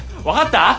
分かった？